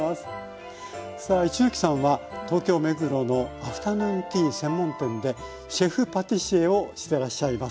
さあ一ノ木さんは東京・目黒のアフタヌーンティー専門店でシェフパティシエをしてらっしゃいます。